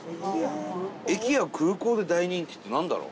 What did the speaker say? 駅や空港で大人気ってなんだろう？